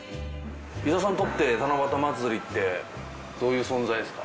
伊澤さんにとって七夕まつりってどういう存在ですか？